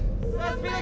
スピード